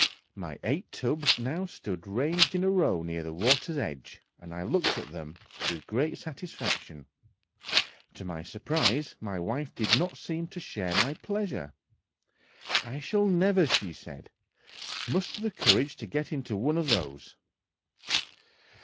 My eight tubs now stood ranged in a row near the water's edge, and I looked at them with great satisfaction; to my surprise, my wife did not seem to share my pleasure! "I shall never," said she, "muster courage to get into one of those!"